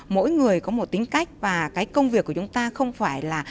mỗi người có một tính cách và cái công việc của chúng ta không phải là